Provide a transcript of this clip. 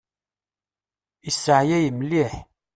Iseɛyay mliḥ.